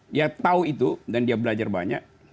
dia tahu itu dan dia belajar banyak